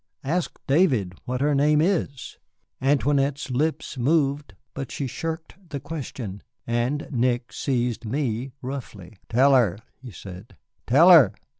Ask David what her name is." Antoinette's lips moved, but she shirked the question. And Nick seized me roughly. "Tell her," he said, "tell her!